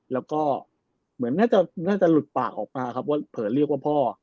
แล้วก็เหมือนน่าจะหลุดปากออกมาครับว่าเผลอเรียกว่าพ่อ